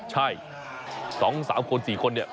ใช่สองสามคนสี่คนเนี่ย